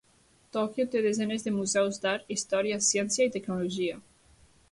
Tòquio té desenes de museus d'art, història, ciència i tecnologia.